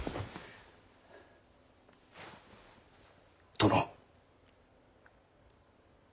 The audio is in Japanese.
殿。